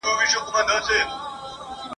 د چا لاس چي د خپل قام په وینو سور وي ..